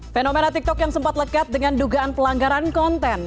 fenomena tiktok yang sempat lekat dengan dugaan pelanggaran konten